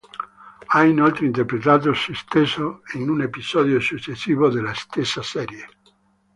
Ha inoltre interpretato se stesso in un episodio successivo della stessa serie.